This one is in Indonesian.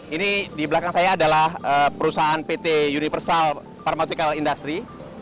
ini di belakang saya adalah perusahaan pt universal pharmautical industry